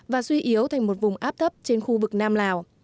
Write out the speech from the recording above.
và suy yếu thành một vùng áp thấp trên khu vực nam lào